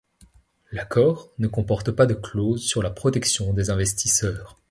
L'accord ne comporte pas de clause sur la protection des investisseurs.